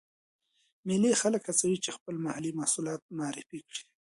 مېلې خلک هڅوي، چې خپل محلې محصولات معرفي کړي.